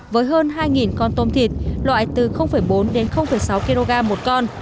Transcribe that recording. với hơn hai con tôm thịt loại từ bốn đến sáu kg một con